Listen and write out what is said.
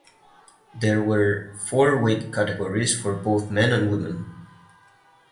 There were four weight categories for both men and women.